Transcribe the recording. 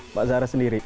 mbak zara sendiri